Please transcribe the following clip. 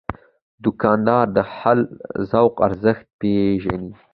دوکاندار د حلال رزق ارزښت پېژني.